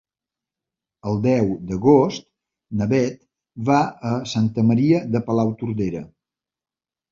El deu d'agost na Bet va a Santa Maria de Palautordera.